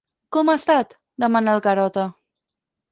Com ha estat? —demana el Garota.